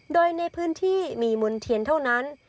โดยในพื้นที่มีมณ์เทียนเท่านั้น